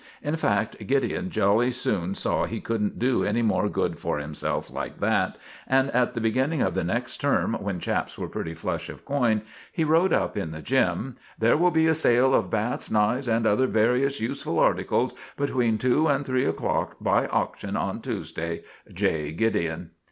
In fact, Gideon jolly soon saw he couldn't do any more good for himself like that, and at the beginning of the next term, when chaps were pretty flush of coin, he wrote up in the gym, "There will be a sale of bats, knives, and other various useful articles, between two and three o'clock, by auction, on Tuesday. J. GIDEON."